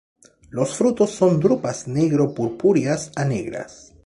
Los frutos son drupas negro purpúreas a negras.